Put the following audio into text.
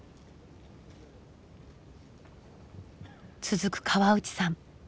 続く河内さん。